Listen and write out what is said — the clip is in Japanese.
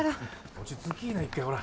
落ち着きぃな一回ほら。